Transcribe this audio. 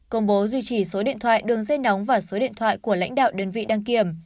công bố duy trì số điện thoại đường dây nóng và số điện thoại của lãnh đạo đơn vị đăng kiểm